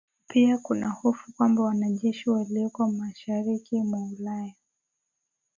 Pia kuna hofu kwamba wanajeshi walioko mashariki mwa Ulaya